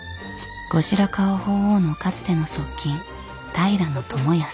後白河法皇のかつての側近平知康。